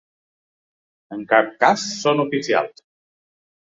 En cap cas són oficials.